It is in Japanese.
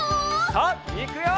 さあいくよ！